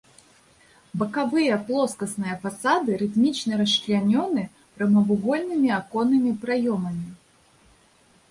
Бакавыя плоскасныя фасады рытмічна расчлянёны прамавугольнымі аконнымі праёмамі.